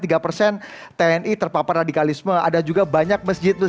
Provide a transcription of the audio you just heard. itu proses dicapai dan dikapal di sonojo itu begitu